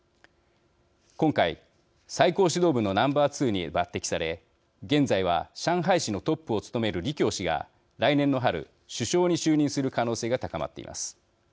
今回、最高指導部のナンバーツーに抜てきされ現在は上海市のトップを務める李強氏が来年の春首相に就任する可能性が高まっています。